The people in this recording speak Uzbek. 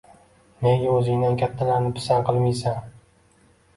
Nega o‘zingdan kattalarni pisand qilmiysan?